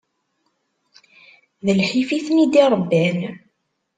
D lḥif i ten-i-d-irebban.